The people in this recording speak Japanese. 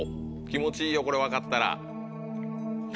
気持ちいいよこれ分かったら。